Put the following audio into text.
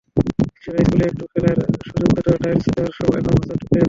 শিশুরা স্কুলে একটু খেলার সুযোগ পেত, টাইলস দেওয়ায় এখন হোঁচট খেয়ে পড়ে।